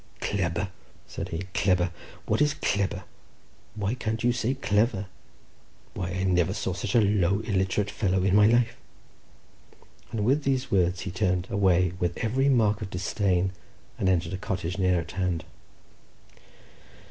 "Clebber," said he, "clebber! what is clebber? why can't you say clever? Why, I never saw such a low, illiterate fellow in my life;" and with these words he turned away, with every mark of disdain, and entered a cottage near at hand.